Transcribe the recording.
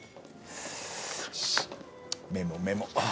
よしメモメモ。